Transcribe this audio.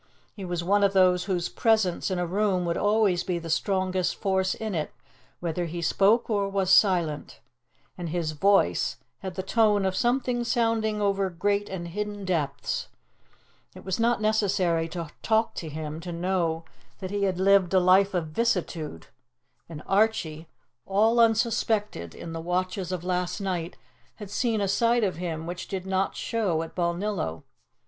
He was one of those whose presence in a room would always be the strongest force in it, whether he spoke or was silent, and his voice had the tone of something sounding over great and hidden depths. It was not necessary to talk to him to know that he had lived a life of vicissitude, and Archie, all unsuspected, in the watches of last night had seen a side of him which did not show at Balnillo.